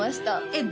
えっ